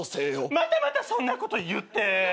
またまたそんなこと言って！